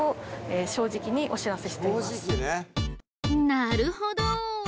なるほど！